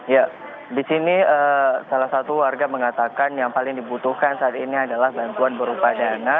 ya di sini salah satu warga mengatakan yang paling dibutuhkan saat ini adalah bantuan berupa dana